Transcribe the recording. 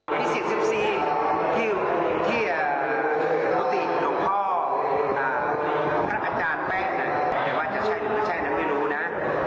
พี่มนต์สิทธิ์พี่สิทธิ์สิทธิ์ที่ที่อาจารย์แป้งแต่ว่าจะใช่หรือไม่ใช่นั้นไม่รู้นะ